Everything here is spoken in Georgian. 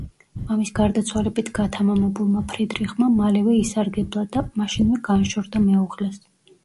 მამის გარდაცვალებით გათამამებულმა ფრიდრიხმა მალევე ისარგებლა, და მაშინვე განშორდა მეუღლეს.